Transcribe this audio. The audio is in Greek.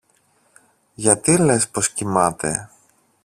Γιατί λες πως κοιμάται;